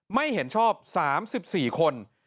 ไม่เห็นชอบ๓๔คน